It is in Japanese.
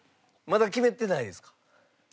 まだ決めてないですか？